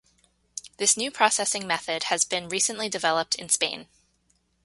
This new processing method has been recently developed in Spain.